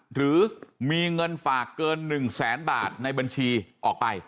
หรือมีเงินฝากเกิน๑แสนบาทในบัญชีออกไป